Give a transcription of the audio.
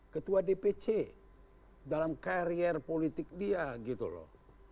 ketua dpc dalam karier politik dia gitu loh